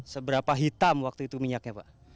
seberapa hitam waktu itu minyaknya pak